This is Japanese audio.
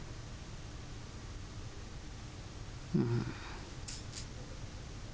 うん。